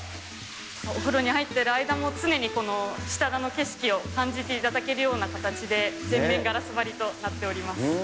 お風呂に入っている間も、常にこの下田の景色を感じていただけるような感じで、全面ガラス張りとなっております。